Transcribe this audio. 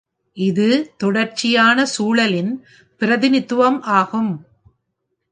இது "தொடர்ச்சியான சுழலின்" பிரதிநிதித்துவம் ஆகும்.